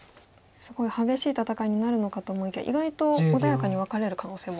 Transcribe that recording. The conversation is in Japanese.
すごい激しい戦いになるのかと思いきや意外と穏やかにワカれる可能性も。